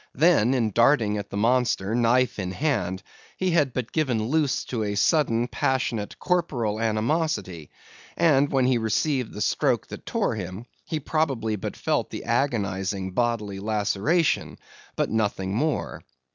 Then, in darting at the monster, knife in hand, he had but given loose to a sudden, passionate, corporal animosity; and when he received the stroke that tore him, he probably but felt the agonizing bodily laceration, but nothing more.